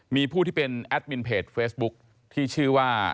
มีผู้ที่เป็นแอดมินเพจเฟซบุ๊คที่ชื่อว่า